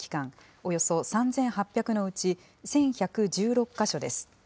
およそ３８００のうち１１１６か所です。